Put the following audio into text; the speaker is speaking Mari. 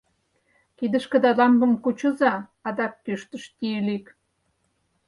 — Кидышкыда лампым кучыза! — адак кӱштыш Тиилик.